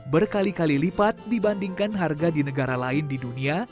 berkali kali lipat dibandingkan harga di negara lain di dunia